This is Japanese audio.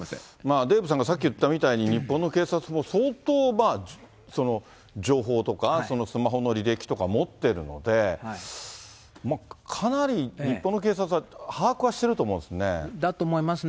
デーブさんがさっき言ったみたいに、日本の警察も相当情報とか、スマホの履歴とか持ってるので、かなり日本の警察は把握はしてると思いますね。